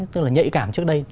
tức là nhạy cảm trước đây